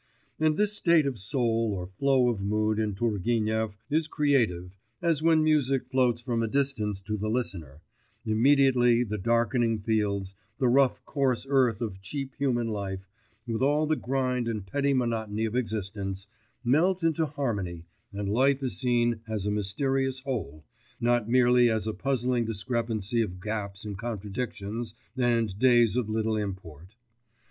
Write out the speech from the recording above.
And this state of soul or flow of mood in Turgenev is creative, as when music floats from a distance to the listener, immediately the darkening fields, the rough coarse earth of cheap human life, with all the grind and petty monotony of existence, melt into harmony, and life is seen as a mysterious whole, not merely as a puzzling discrepancy of gaps and contradictions and days of little import.